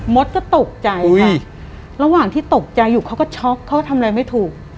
ดก็ตกใจค่ะระหว่างที่ตกใจอยู่เขาก็ช็อกเขาก็ทำอะไรไม่ถูก